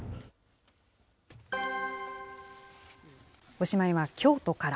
おしまいは京都から。